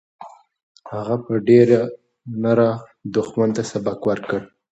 هغه په ډېرې نره دښمن ته سبق ورکړ.